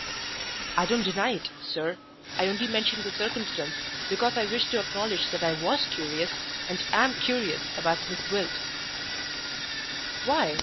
"I don't deny it, sir. I only mentioned the circumstance because I wished to acknowledge that I was curious, and am curious about Miss Gwilt." "Why?"